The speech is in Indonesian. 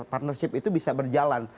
partnership itu bisa berjalan